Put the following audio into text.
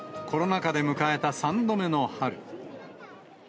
コロナ禍で迎えた３度目の春。